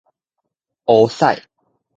烏屎